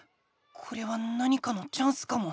これは何かのチャンスかも。